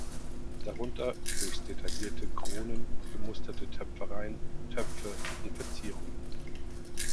Darunter höchst detaillierte Kronen, gemusterte Töpfereien, Töpfe und Verzierungen.